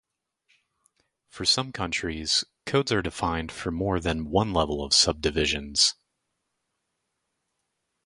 For some countries, codes are defined for more than one level of subdivisions.